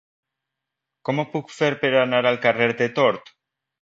Com ho puc fer per anar al carrer de Tort?